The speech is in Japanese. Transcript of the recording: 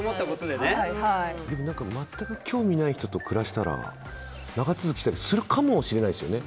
でも全く興味のない人と暮らしたら長続きしたりするかもしれないですよね。